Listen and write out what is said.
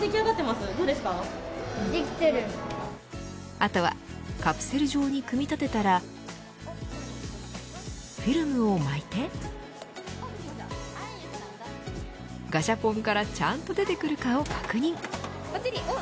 あとは、カプセル状に組み立てたらフィルムを巻いてガシャポンからちゃんと出てくるかを確認。